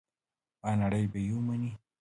آیا نړۍ به یې ومني؟